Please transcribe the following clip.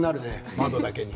窓だけに。